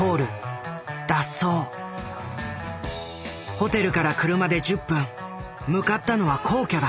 ホテルから車で１０分向かったのは皇居だ。